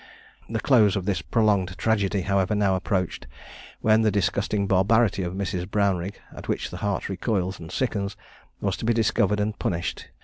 The close of this prolonged tragedy, however, now approached, when the disgusting barbarity of Mrs. Brownrigg, at which the heart recoils and sickens, was to be discovered and punished.